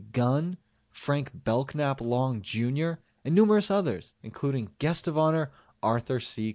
Gunn, Frank Belknap Long Jr., and numerous others, including Guest of Honor Arthur C.